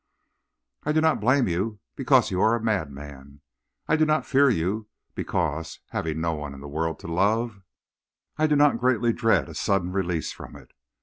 "'I do not blame you, because you are a madman. I do not fear you, because, having no one in the world to love, I do not greatly dread a sudden release from it.